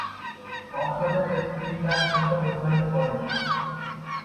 কক্সবাজারে তিনি তার শৈশব অতিবাহিত করেন।